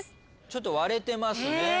ちょっと割れてますね。